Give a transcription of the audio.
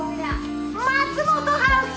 ・松本ハウス！